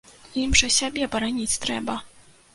Ім жа сябе бараніць трэба!